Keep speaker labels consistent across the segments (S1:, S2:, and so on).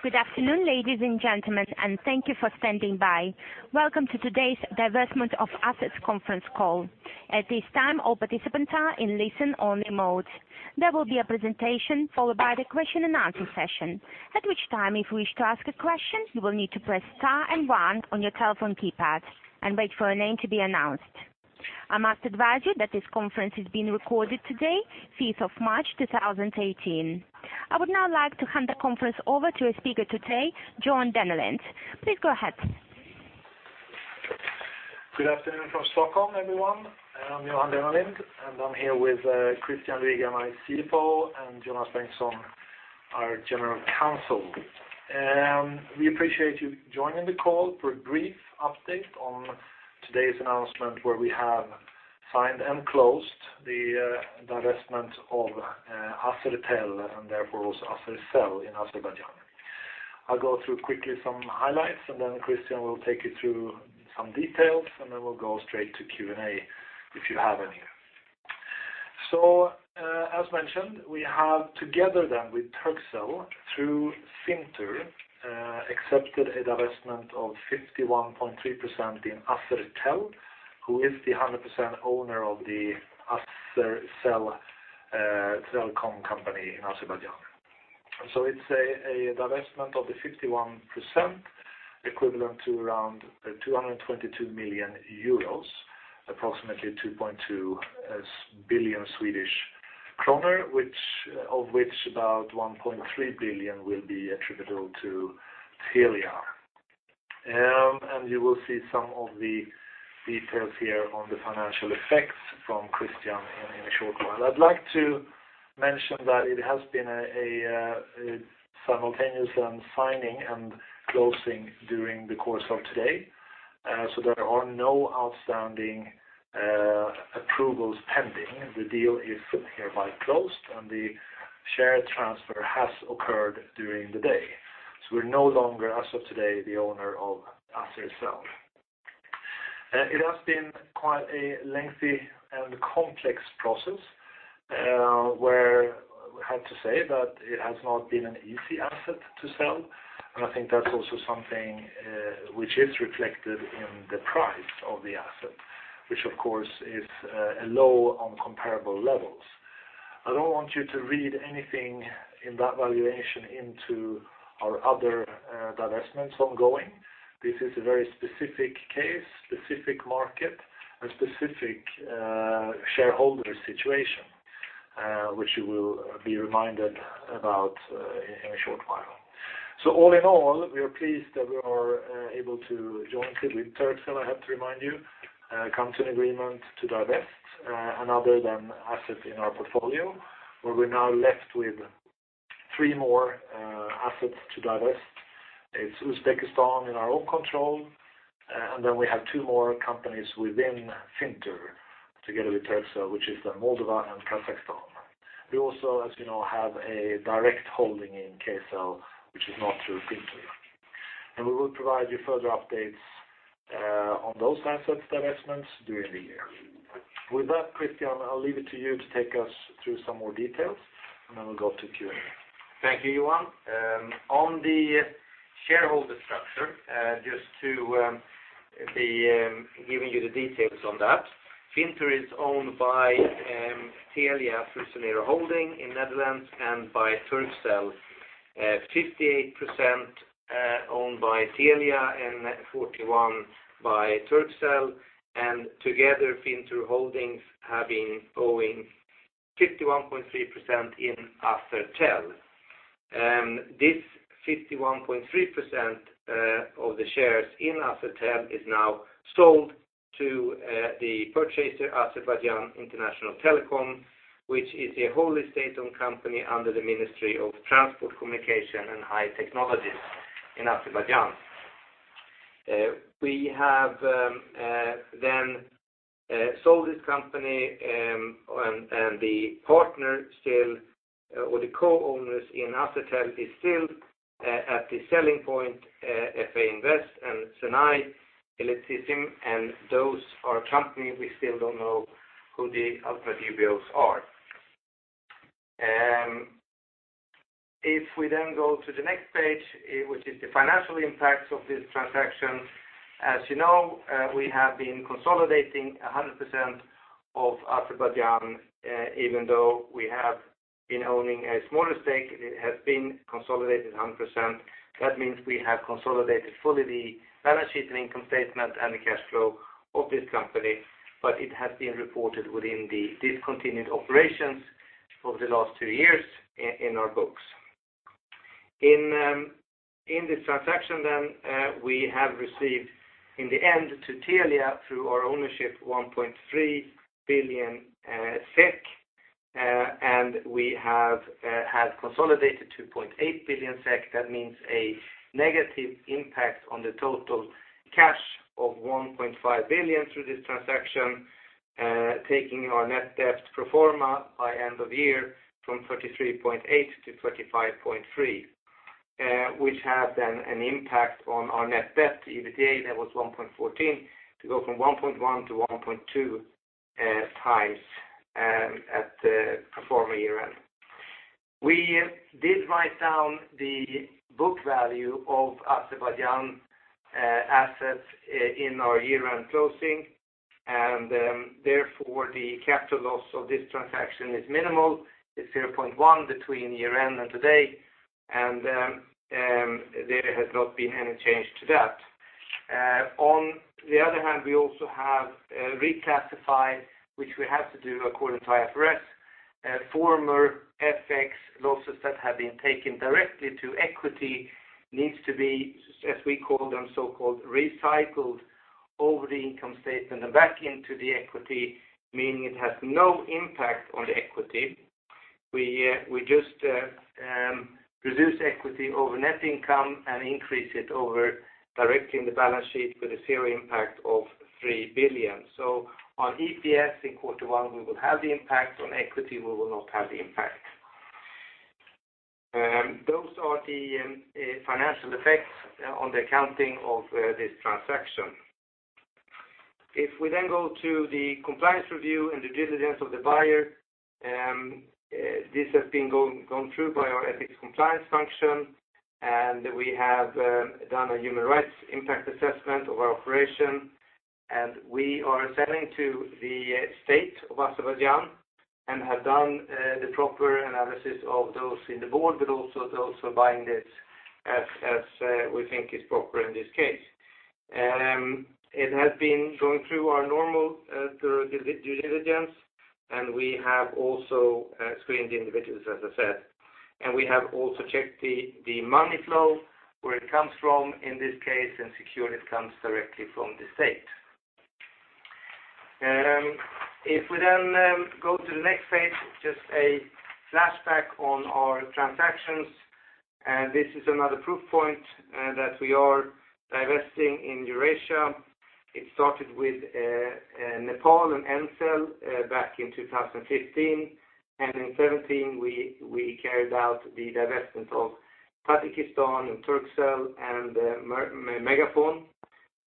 S1: Good afternoon, ladies and gentlemen, and thank you for standing by. Welcome to today's Divestment of Assets Conference Call. At this time, all participants are in listen-only mode. There will be a presentation followed by the question and answer session. At which time, if you wish to ask a question, you will need to press star and one on your telephone keypad and wait for your name to be announced. I must advise you that this conference is being recorded today, 5th of March 2018. I would now like to hand the conference over to a speaker today, Johan Dennelind. Please go ahead.
S2: Good afternoon from Stockholm, everyone. I'm Johan Dennelind, and I'm here with Christian Rueegard, my CFO, and Jonas Bengtsson, our general counsel. We appreciate you joining the call for a brief update on today's announcement, where we have signed and closed the divestment of Azertel, and therefore also Azercell in Azerbaijan. I'll go through quickly some highlights, then Christian will take you through some details, then we'll go straight to Q&A, if you have any. As mentioned, we have together then with Turkcell, through Fintur, accepted a divestment of 51.3% in Azertel, who is the 100% owner of the Azercell Telekom company in Azerbaijan. It's a divestment of the 51% equivalent to around 222 million euros, approximately 2.2 billion Swedish kronor, of which about 1.3 billion will be attributable to Telia. You will see some of the details here on the financial effects from Christian in a short while. I'd like to mention that it has been a simultaneous signing and closing during the course of today. There are no outstanding approvals pending. The deal is hereby closed, and the share transfer has occurred during the day. We're no longer, as of today, the owner of Azercell. It has been quite a lengthy and complex process, where I have to say that it has not been an easy asset to sell, and I think that's also something which is reflected in the price of the asset, which of course, is low on comparable levels. I don't want you to read anything in that valuation into our other divestments ongoing. This is a very specific case, specific market, a specific shareholder situation, which you will be reminded about in a short while. All in all, we are pleased that we are able to jointly with Turkcell, I have to remind you, come to an agreement to divest another asset in our portfolio, where we're now left with three more assets to divest. It's Uzbekistan in our own control, then we have two more companies within Fintur together with Turkcell, which is the Moldova and Kazakhstan. We also, as you know, have a direct holding in Kcell, which is not through Fintur. We will provide you further updates on those assets divestments during the year. With that, Christian, I'll leave it to you to take us through some more details, then we'll go to Q&A.
S3: Thank you, Johan. On the shareholder structure, just giving you the details on that. Fintur is owned by TeliaSonera Holding in Netherlands and by Turkcell, 58% owned by Telia and 41% by Turkcell, and together, Fintur Holdings owing 51.3% in Azertel. This 51.3% of the shares in Azertel is now sold to the purchaser, Azerbaijan International Telecom, which is a wholly state-owned company under the Ministry of Transport, Communications and High Technologies in Azerbaijan. We have sold this company, and the partner still, or the co-owners in Azertel is still at the selling point, FA Invest and Cenay İletişim, and those are a company we still don't know who the ultimate beneficial owners are. If we go to the next page, which is the financial impacts of this transaction. As you know, we have been consolidating 100% of Azerbaijan, even though we have been owning a smaller stake, it has been consolidated 100%. That means we have consolidated fully the balance sheet and income statement and the cash flow of this company, but it has been reported within the discontinued operations for the last two years in our books. In this transaction, we have received in the end to Telia, through our ownership, 1.3 billion SEK, and we have consolidated 2.8 billion SEK. That means a negative impact on the total cash of 1.5 billion through this transaction, taking our net debt pro forma by end of year from 33.8 billion to 35.3 billion, which had an impact on our net debt to EBITDA. That was 1.14x to go from 1.1x-1.2x at times at the pro forma year-end. We did write down the book value of Azerbaijan assets in our year-end closing, and therefore the capital loss of this transaction is minimal. It's 0.1 billion between year-end and today, and there has not been any change to that. On the other hand, we also have reclassified, which we have to do according to IFRS, former FX losses that have been taken directly to equity needs to be, as we call them, so-called recycled over the income statement and back into the equity, meaning it has no impact on the equity. We just reduce equity over net income and increase it over directly in the balance sheet with a zero impact of 3 billion. On EPS in Q1, we will have the impact. On equity, we will not have the impact. Those are the financial effects on the accounting of this transaction. If we go to the compliance review and the due diligence of the buyer, this has been gone through by our ethics compliance function, and we have done a human rights impact assessment of our operation. We are selling to the state of Azerbaijan and have done the proper analysis of those in the board, but also those who are buying this as we think is proper in this case. It has been going through our normal due diligence, and we have also screened the individuals, as I said. We have also checked the money flow, where it comes from in this case, and secure it comes directly from the state. If we go to the next page, just a flashback on our transactions. This is another proof point that we are divesting in Eurasia. It started with Nepal and Ncell back in 2015, and in 2017, we carried out the divestment of Tajikistan and Turkcell and MegaFon,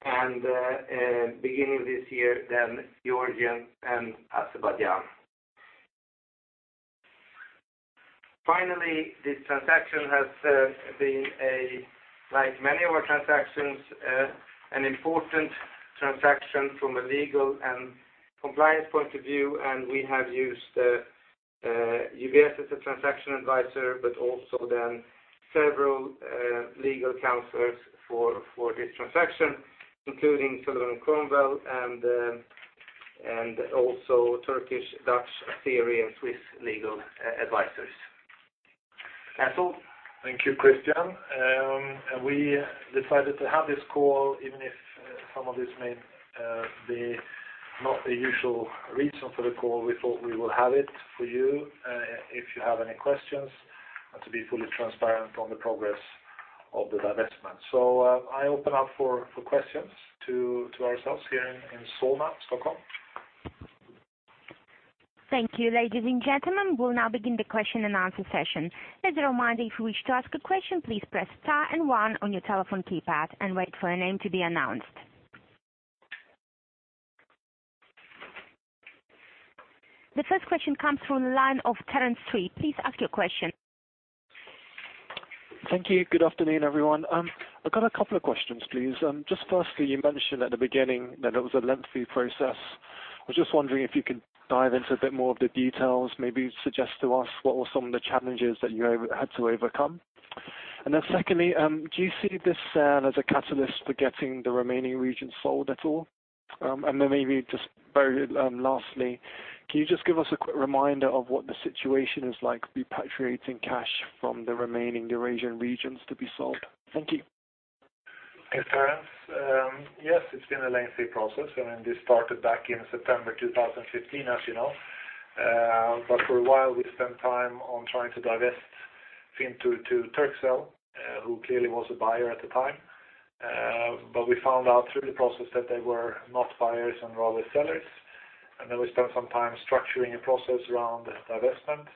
S3: and beginning this year, then Georgian and Azerbaijan. Finally, this transaction has been, like many of our transactions, an important transaction from a legal and compliance point of view, and we have used UBS as a transaction advisor, but also then several legal counselors for this transaction, including Sullivan & Cromwell, and also Turkish, Dutch, Syrian, Swiss legal advisors. That's all.
S2: Thank you, Christian. We decided to have this call, even if some of this may be not the usual reason for the call. We thought we will have it for you if you have any questions and to be fully transparent on the progress of the divestment. I open up for questions to ourselves here in Solna, Stockholm.
S1: Thank you. Ladies and gentlemen, we'll now begin the question and answer session. As a reminder, if you wish to ask a question, please press star and one on your telephone keypad and wait for your name to be announced. The first question comes from the line of Terence Tree. Please ask your question.
S4: Thank you. Good afternoon, everyone. I've got a couple of questions, please. Just firstly, you mentioned at the beginning that it was a lengthy process. I was just wondering if you could dive into a bit more of the details, maybe suggest to us what were some of the challenges that you had to overcome. Secondly, do you see this sale as a catalyst for getting the remaining region sold at all? Maybe just very lastly, can you just give us a quick reminder of what the situation is like repatriating cash from the remaining Eurasian regions to be sold? Thank you.
S2: Hey, Terence. Yes, it's been a lengthy process. This started back in September 2015, as you know. For a while, we spent time on trying to divest Fintur to Turkcell, who clearly was a buyer at the time. We found out through the process that they were not buyers and rather sellers. We spent some time structuring a process around divestment,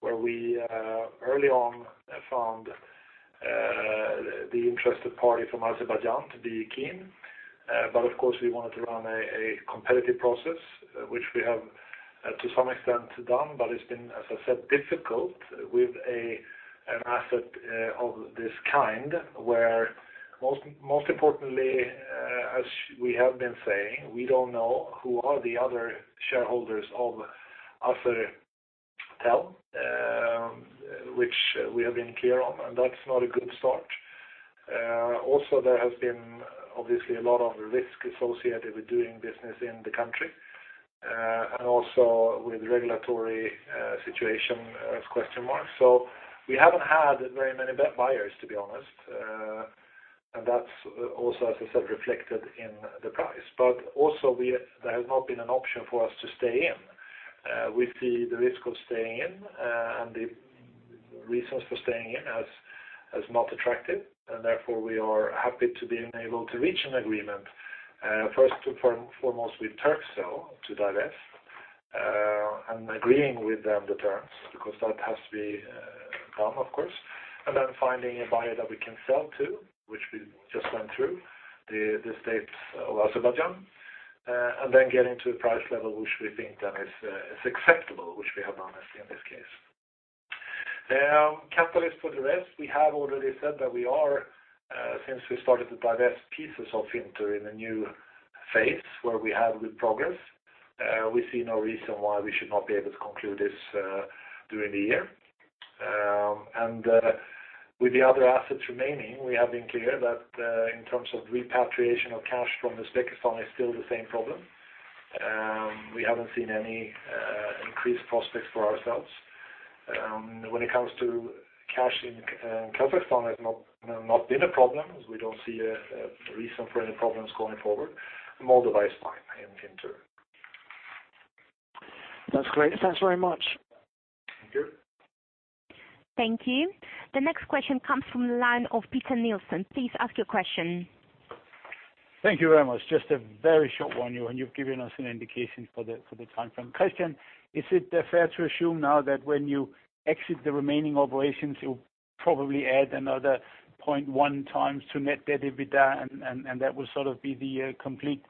S2: where we early on found the interested party from Azerbaijan to be keen. Of course, we wanted to run a competitive process, which we have to some extent done, but it's been, as I said, difficult with an asset of this kind, where most importantly, as we have been saying, we don't know who are the other shareholders of Azertel, which we have been clear on, and that's not a good start. There has been obviously a lot of risk associated with doing business in the country, and also with regulatory situation as question marks. We haven't had very many buyers, to be honest. That's also, as I said, reflected in the price. There has not been an option for us to stay in. We see the risk of staying in and the reasons for staying in as not attractive, and therefore we are happy to being able to reach an agreement, first and foremost with Turkcell to divest.
S3: Agreeing with them the terms, because that has to be done, of course. Finding a buyer that we can sell to, which we just went through, the states of Azerbaijan. Getting to a price level which we think then is acceptable, which we have done in this case. Catalyst for the rest, we have already said that we are, since we started to divest pieces of Fintur in a new phase where we have good progress, we see no reason why we should not be able to conclude this during the year. With the other assets remaining, we have been clear that in terms of repatriation of cash from Uzbekistan is still the same problem. We haven't seen any increased prospects for ourselves. When it comes to cash in Kazakhstan, has not been a problem, as we don't see a reason for any problems going forward. Moldova is fine in Fintur.
S4: That's great. Thanks very much.
S3: Thank you.
S1: Thank you. The next question comes from the line of Peter Nielsen. Please ask your question.
S5: Thank you very much. Just a very short one. You've given us an indication for the timeframe. Christian, is it fair to assume now that when you exit the remaining operations, you'll probably add another 0.1 times to net debt EBITDA, and that will sort of be the complete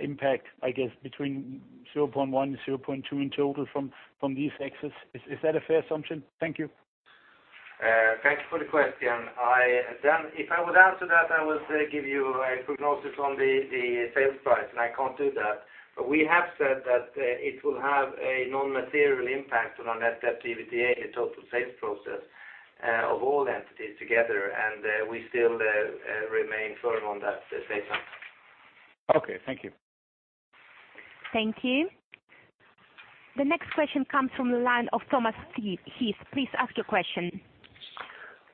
S5: impact, I guess, between 0.1 and 0.2 in total from these exits. Is that a fair assumption? Thank you.
S3: Thanks for the question. I would give you a prognosis on the sales price, and I can't do that. We have said that it will have a non-material impact on our net debt EBITDA, the total sales process of all entities together, and we still remain firm on that statement.
S5: Okay. Thank you.
S1: Thank you. The next question comes from the line of Thomas Heath. Please ask your question.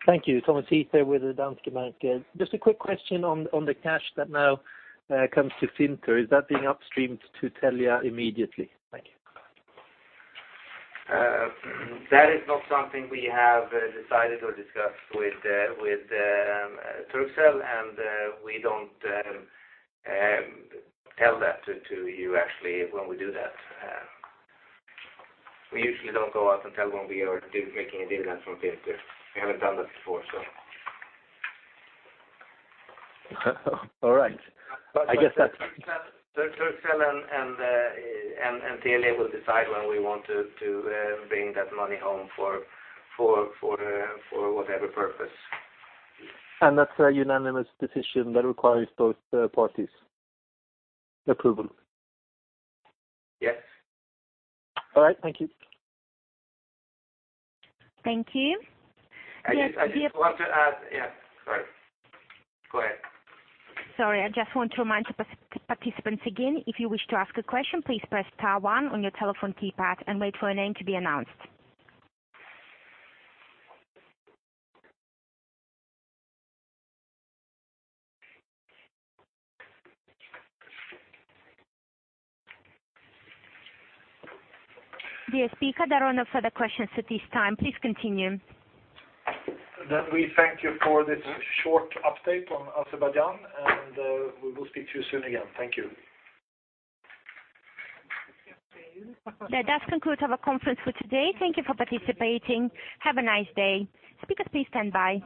S6: Thank you. Thomas Heath with Danske Bank. Just a quick question on the cash that now comes to Fintur. Is that being upstreamed to Telia immediately? Thank you.
S3: That is not something we have decided or discussed with Turkcell. We don't tell that to you actually when we do that. We usually don't go out and tell when we are making a dividend from Fintur. We haven't done that before.
S6: All right. I guess that's.
S3: Turkcell and Telia will decide when we want to bring that money home for whatever purpose.
S6: That's a unanimous decision that requires both parties' approval?
S3: Yes.
S6: All right. Thank you.
S1: Thank you. Yes.
S3: I just want to add. Yeah, sorry. Go ahead.
S1: Sorry. I just want to remind participants again, if you wish to ask a question, please press star one on your telephone keypad and wait for a name to be announced. Dear speaker, there are no further questions at this time. Please continue.
S2: We thank you for this short update on Azerbaijan, and we will speak to you soon again. Thank you.
S1: That does conclude our conference for today. Thank you for participating. Have a nice day. Speakers, please stand by.